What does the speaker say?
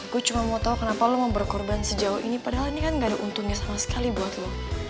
gue cuma mau tahu kenapa lo mau berkorban sejauh ini padahal ini kan gak ada untungnya sama sekali buat lo